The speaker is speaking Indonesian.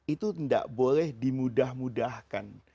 itu tidak boleh dimudah mudahkan